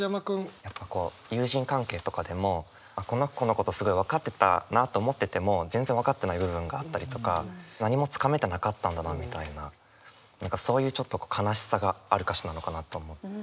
やっぱこう友人関係とかでもこの子のことすごい分かってたなと思ってても全然分かってない部分があったりとか何も掴めてなかったんだなみたいなそういうちょっと悲しさがある歌詞なのかなと思って。